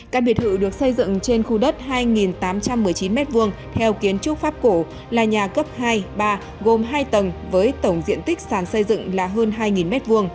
căn biệt thự được xây dựng trên khu đất hai tám trăm một mươi chín m hai theo kiến trúc pháp cổ là nhà cấp hai ba gồm hai tầng với tổng diện tích sàn xây dựng là hơn hai m hai